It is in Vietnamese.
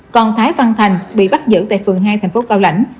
còn thái văn thành bị bắt giữ tại phường hai thành phố cao lãnh